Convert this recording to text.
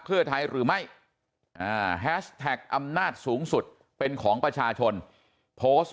เพื่อไทยหรือไม่แฮชแท็กอำนาจสูงสุดเป็นของประชาชนโพสต์